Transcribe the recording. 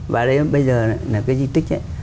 và đấy bây giờ cái di tích ấy